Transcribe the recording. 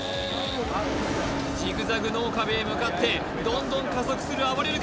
ジグザグ脳かべへ向かってどんどん加速するあばれる